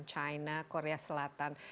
china korea selatan